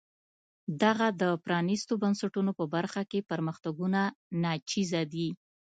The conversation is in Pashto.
دلته د پرانیستو بنسټونو په برخه کې پرمختګونه ناچیزه دي.